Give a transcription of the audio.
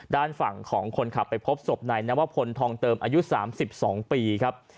ด้านฝั่งของคนขับไปพบศพนายนวพลทองเติมอายุ๓๒ปีครับ